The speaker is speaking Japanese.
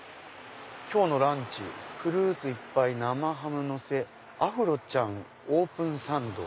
「きょうのランチフルーツいっぱい生ハムのせアフロちゃんオープンサンド」。